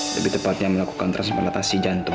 lebih tepatnya melakukan transplantasi jantung